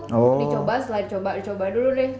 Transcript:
dicoba setelah dicoba dicoba dulu deh